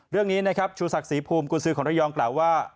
เรื่องนี้นะครับชูศักดิ์ศรีภูมิกุญสือของระยองกล่าวว่า